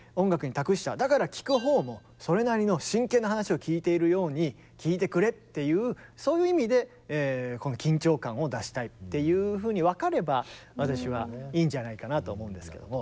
だから聴く方もそれなりの真剣な話を聴いているように聴いてくれっていうそういう意味でこの緊張感を出したいっていうふうに分かれば私はいいんじゃないかなと思うんですけども。